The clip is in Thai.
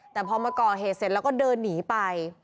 แต่พอมาก่อเหตุเสร็จแล้วก็เดินหนีไป